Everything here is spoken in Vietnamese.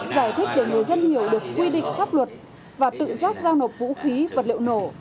giải thích để người dân hiểu được quy định pháp luật và tự giác giao nộp vũ khí vật liệu nổ